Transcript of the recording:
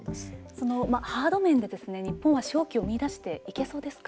そのハード面で日本は商機を見いだしていけそうですか。